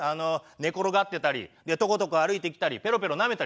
寝転がってたりトコトコ歩いてきたりペロペロなめたりすんのよ。